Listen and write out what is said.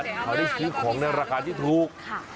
เขาได้ซื้อของในราคาที่ถูก